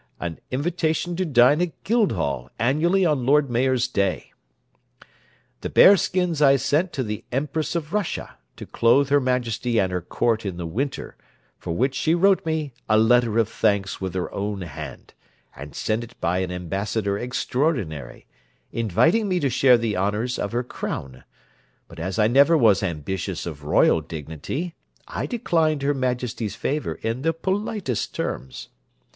an invitation to dine at Guildhall annually on Lord Mayor's day. The bear skins I sent to the Empress of Russia, to clothe her majesty and her court in the winter, for which she wrote me a letter of thanks with her own hand, and sent it by an ambassador extraordinary, inviting me to share the honours of her crown; but as I never was ambitious of royal dignity, I declined her majesty's favour in the politest terms.